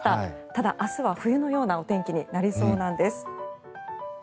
ただ、明日は冬のようなお天気になりそうなんです。